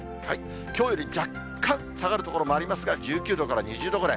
きょうより若干下がる所もありますが、１９度から２０度ぐらい。